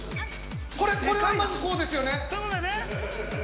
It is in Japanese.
これはまずこうですよね？